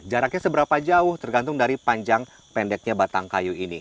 jaraknya seberapa jauh tergantung dari panjang pendeknya batang kayu ini